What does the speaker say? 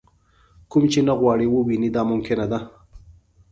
کوم چې نه غواړئ ووینئ دا ممکنه ده.